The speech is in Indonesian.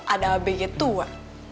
ada abg tua